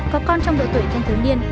có con trong độ tuổi thân thứ niên